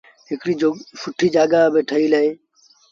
هڪڙيٚ سُٺي جآڳآ با ٺهيٚل اهي۔